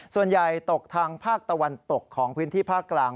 ส่วนใหญ่ตกทางภาคตะวันตกของพื้นที่ภาคกลาง